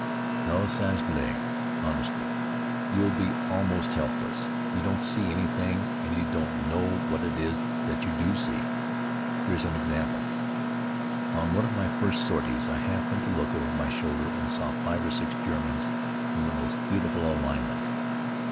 "No, sans blague. Honestly, you'll be almost helpless. You don't see anything, and you don't know what it is that you do see. Here's an example. On one of my first sorties I happened to look over my shoulder and I saw five or six Germans in the most beautiful alignment.